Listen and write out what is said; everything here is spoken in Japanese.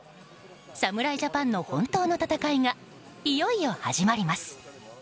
侍ジャパンの本当の戦いがいよいよ始まります。